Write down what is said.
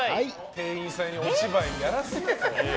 店員さんにお芝居やらすな！